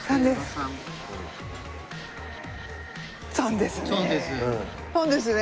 ３ですね。